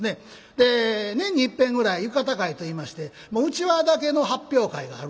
で年にいっぺんぐらい浴衣会といいまして内輪だけの発表会があるんですね。